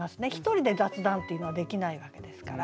１人で雑談っていうのはできないわけですから。